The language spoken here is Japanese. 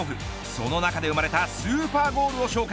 その中で生まれたスーパーゴールを紹介。